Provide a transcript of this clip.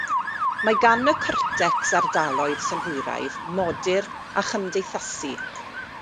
Mae gan y cortecs ardaloedd synhwyraidd, modur a chymdeithasu.